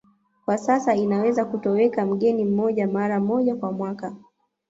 Kwa sasa inaweza kutoweka mgeni mmoja mara moja kwa mwaka